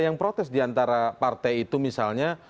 yang protes diantara partai itu misalnya